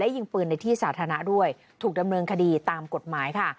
ยิงปืนในที่สาธารณะด้วยถูกดำเนินคดีตามกฎหมายค่ะ